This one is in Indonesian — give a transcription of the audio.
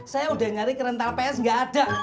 saya udah nyari kerental ps gak ada